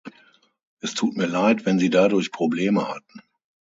Es tut mir Leid, wenn Sie dadurch Probleme hatten.